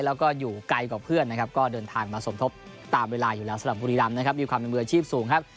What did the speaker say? แล้วก็อยู่ไกลกว่าเพื่อนนะครับก็เดินทางมาสมทบตามเวลาอยู่แล้วสำหรับบุรีรำนะครับมีความเป็นมืออาชีพสูงครับ